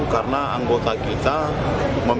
karena anggota disupun itu membuat laporan ke polrestabes medan